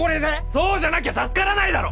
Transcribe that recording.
そうじゃなきゃ助からないだろ！